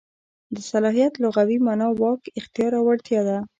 د صلاحیت لغوي مانا واک، اختیار او وړتیا ده.